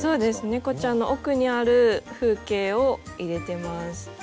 猫ちゃんの奥にある風景を入れてます。